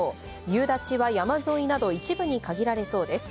夕立は山沿いなど一部に限られそうです。